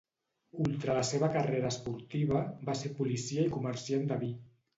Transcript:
Ultra la seva carrera esportiva, va ser policia i comerciant de vi.